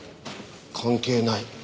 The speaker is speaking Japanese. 関係ない。